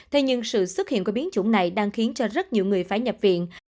thế nhưng sự xuất hiện của biến chủng này đang khiến cho rất nhiều người phải nhập viện